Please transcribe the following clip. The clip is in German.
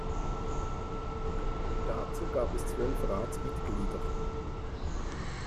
Dazu gab es zwölf Ratsmitglieder.